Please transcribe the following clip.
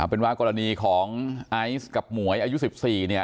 เป็นว่ากรณีของไอซ์กับหมวยอายุ๑๔เนี่ย